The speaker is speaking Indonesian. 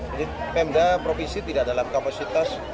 jadi pemda provinsi tidak dalam kompositas